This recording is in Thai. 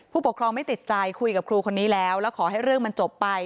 ปกครองไม่ติดใจคุยกับครูคนนี้แล้วแล้วขอให้เรื่องมันจบไป